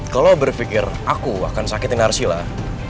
kalo lo berpikir aku akan sakitin arsyilah